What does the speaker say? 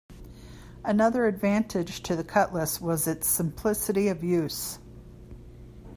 Another advantage to the cutlass was its simplicity of use.